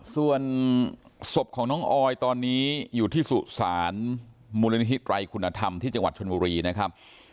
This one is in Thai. ส่วนศพของน้องออยตอนนี้อยู่ที่สุสานมูลนิธิไตรคุณธรรมที่จังหวัดชนบุรีนะครับ